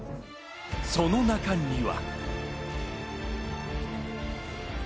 その中には。